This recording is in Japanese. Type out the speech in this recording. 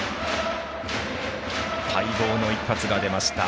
待望の一発が出ました。